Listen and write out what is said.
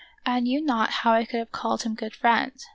I knew not how I could have called him good friend.